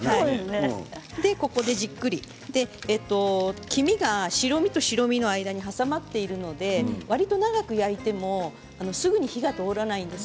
ここで、じっくりと黄身が白身と白身の間に挟まっているのでわりと長く焼いてもすぐに火が通らないんです。